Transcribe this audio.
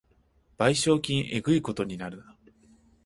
賠償金えぐいことになるな